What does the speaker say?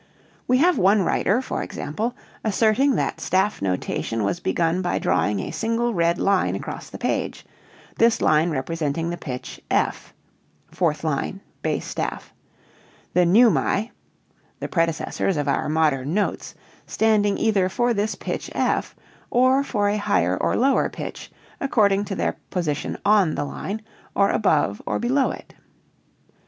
We have one writer for example asserting that staff notation was begun by drawing a single red line across the page, this line representing the pitch f (fourth line, bass staff), the neumae (the predecessors of our modern notes) standing either for this pitch f, or for a higher or lower pitch, according to their position on the line, or above or below it.